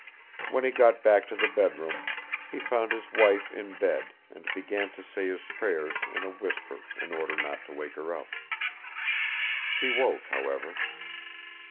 When he got back to the bedroom, he found his wife in bed and began to say his prayers in a whisper in order not to wake her up. She woke, however.